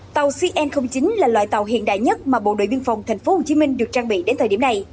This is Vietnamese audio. tàu cn chín là loại tàu hiện đại nhất mà bộ đội biên phòng tp hcm được trang bị đến thời điểm này